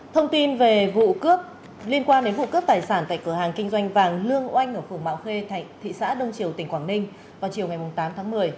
thông tin về vụ cướp liên quan đến vụ cướp tài sản tại cửa hàng kinh doanh vàng lương oanh ở phường mạo khê thị xã đông triều tỉnh quảng ninh vào chiều ngày tám tháng một mươi